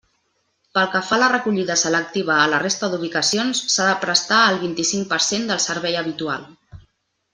Pel que fa a la recollida selectiva a la resta d'ubicacions, s'ha de prestar el vint-i-cinc per cent del servei habitual.